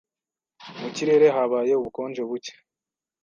Mu kirere habaye ubukonje buke.